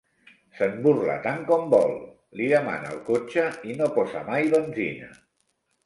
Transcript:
Se'n burla tant com vol: li demana el cotxe i no posa mai benzina.